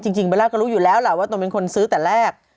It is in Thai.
เบลล่าก็รู้อยู่แล้วล่ะว่าตนเป็นคนซื้อแต่แรก